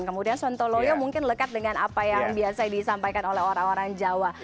kemudian sontoloyo mungkin lekat dengan apa yang biasa disampaikan oleh orang orang jawa